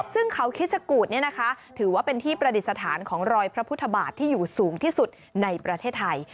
ซึ่งเขาคิชกูธถือว่าเป็นที่ประดิษฐานของรอยพระพุทธบาทที่อยู่สูงที่สุดในประเทศไทย